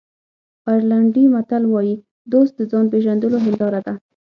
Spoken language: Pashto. آیرلېنډي متل وایي دوست د ځان پېژندلو هنداره ده.